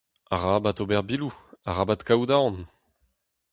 Arabat ober biloù, arabat kaout aon !